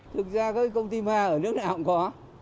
thực ra công ty ma ở nước nào cũng có